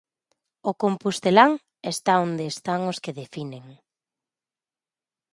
O compostelán está onde están os que definen.